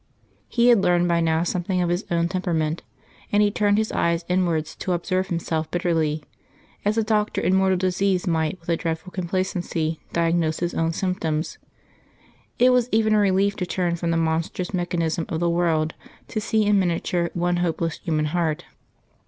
He had learned by now something of his own temperament; and he turned his eyes inwards to observe himself bitterly, as a doctor in mortal disease might with a dreadful complacency diagnose his own symptoms. It was even a relief to turn from the monstrous mechanism of the world to see in miniature one hopeless human heart.